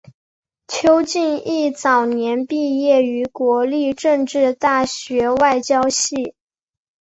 邱进益早年毕业于国立政治大学外交系。